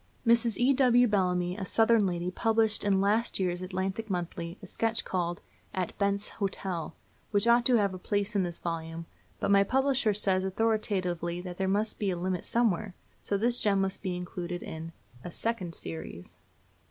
Mrs. E.W. Bellamy, a Southern lady, published in last year's Atlantic Monthly a sketch called "At Bent's Hotel," which ought to have a place in this volume; but my publisher says authoritatively that there must be a limit somewhere; so this gem must be included in a second series!